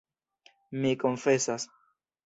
Mi konfesas.